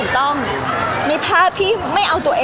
พี่ตอบได้แค่นี้จริงค่ะ